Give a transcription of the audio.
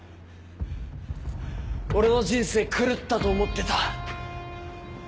俺の人生狂ったと思ってた。